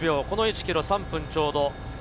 この１ｋｍ、３分ちょうど。